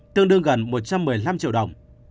tương đương gần một trăm một mươi năm triệu đồng